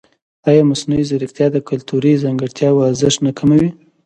ایا مصنوعي ځیرکتیا د کلتوري ځانګړتیاوو ارزښت نه کموي؟